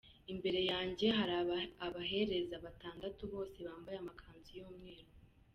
Imbere yanjye hari abahereza batandatu, bose bambaye amakanzu y’umweru.